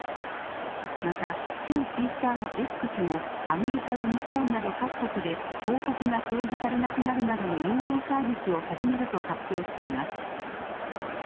また旧ツイッターのＸもアメリカや日本など各国で広告が表示されなくなるなどの有料サービスを始めると発表しています。